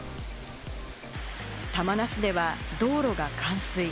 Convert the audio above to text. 玉名市では道路が冠水。